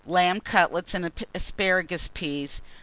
_ Lamb Cutlets and Asparagus Peas.